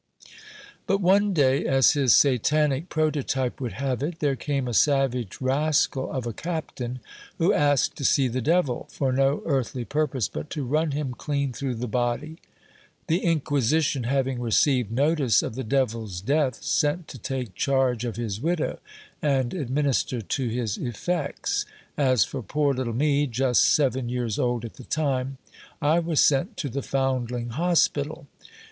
But one day, as his satanic prototype would have it, there came a savage rascal of a captain, who asked to see the devil, for no earthly purpose but to run him clean through the body. The Inquisition, having received notice of the devil's death, sent to take charge of his widow, and administer to his effects ; as for poor little me, just seven years old at the time, I was sent to the foundling hospital.